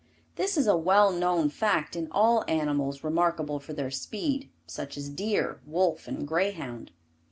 This is a well known fact in all animals remarkable for their speed, such as deer, wolf and greyhound.